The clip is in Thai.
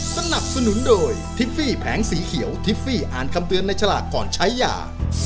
สนับสนุนโดยทิฟฟี่แผงสีเขียวทิฟฟี่อ่านคำเตือนในฉลากก่อนใช้ยา